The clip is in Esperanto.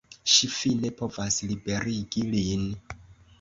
Ŝi fine povas liberigi lin.